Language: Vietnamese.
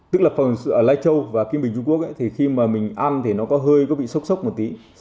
tức là phần ở lai châu và kim bình trung quốc thì khi mà mình ăn thì nó có hơi có bị sốc sốc một tí